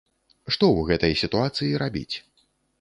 Што ў гэтай сітуацыі рабіць?